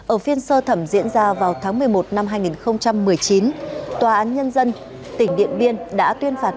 ở phiên sơ thẩm diễn ra vào tháng một mươi một năm hai nghìn một mươi chín tòa án nhân dân tỉnh điện biên đã tuyên phạt